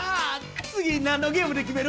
次、なんのゲームで決める？